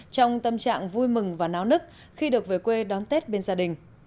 trong tâm trạng vui mừng và náo nức khi được về quê đón tết bên gia đình